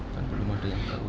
kan belum ada yang tahu